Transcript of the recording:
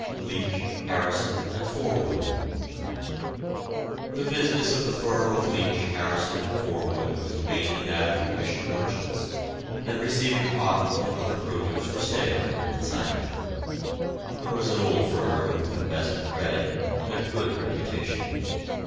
LEECH, HARRISON AND FORWOOD. The business of the firm of Leech, Harrison and Forwood was mainly that of commission merchants, and receiving cotton and other produce for sale on consignment. It was an old firm with the best of credit, and a good reputation.